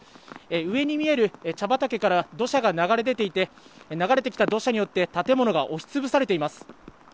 上に見える茶畑から土砂が流れ出ていて、流れてきた土砂によって建物が押しつぶされています。